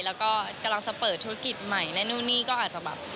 แล้วก็กำลังจะเปิดธุรกิจใหม่และนู่นนี่ก็อาจจะแบบ